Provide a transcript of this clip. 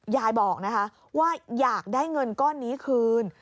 ยายบอกนะคะว่าอยากได้เงินก้อนนี้คืน